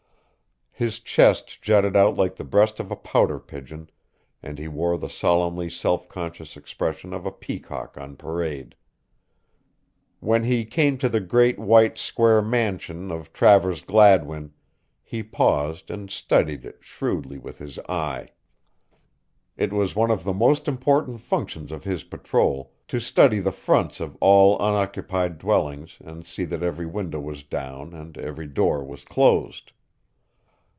His chest jutted out like the breast of a pouter pigeon and he wore the solemnly self conscious expression of a peacock on parade. When he came to the great white square mansion of Travers Gladwin, he paused and studied it shrewdly with his eye. It was one of the most important functions of his patrol to study the fronts of all unoccupied dwellings and see that every window was down and every door was closed.